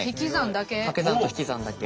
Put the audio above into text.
かけ算と引き算だけ？